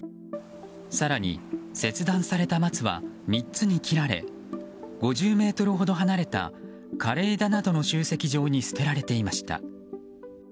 更に、切断された松は３つに切られ５０ｍほど離れた枯れ枝などの集積場に捨てられていました。